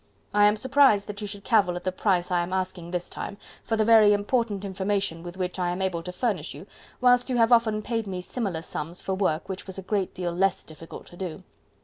I am surprised that you should cavil at the price I am asking this time for the very important information with which I am able to furnish you, whilst you have often paid me similar sums for work which was a great deal less difficult to do.